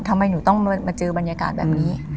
ทำไมหนูต้องมาเจอบรรยากาศแบบนี้